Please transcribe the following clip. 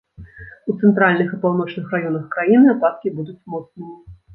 У цэнтральных і паўночных раёнах краіны ападкі будуць моцнымі.